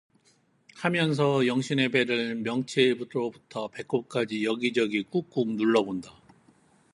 하면서 영신의 배를 명치로부터 배꼽까지 여기저기 꾹꾹 눌러 본다.